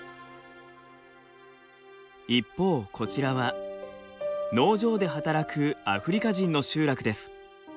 一方こちらは農場で働くアフリカ人の集落です。